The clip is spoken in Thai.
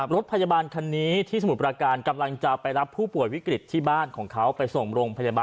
รถพยาบาลคันนี้ที่สมุทรปราการ